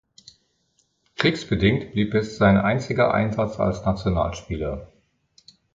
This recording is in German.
Kriegsbedingt blieb es sein einziger Einsatz als Nationalspieler.